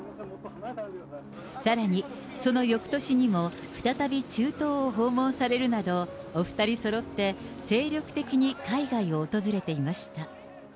さらに、そのよくとしにも、再び中東を訪問されるなど、お２人そろって精力的に海外を訪れていました。